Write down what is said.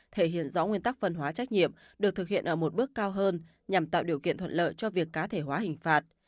thể hiện rõ nguyên tắc phân hóa trách nhiệm được thực hiện ở một bước cao hơn nhằm tạo điều kiện thuận lợi cho việc cá thể hóa hình phạt